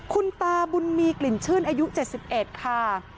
คุณตาบุญมีกลิ่นชื่นอายุเจ็ดสิบเอ็ดค่ะ